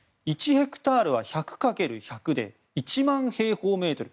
１ヘクタールは１００×１００で１万平方メートル。